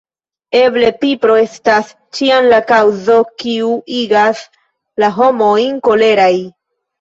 Eble pipro estas ĉiam la kaŭzo kiu igas la homojn koleraj.